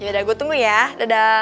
yaudah gue tunggu ya dadah